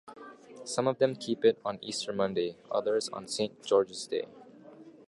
Some of them keep it on Easter Monday, others on St. George's Day.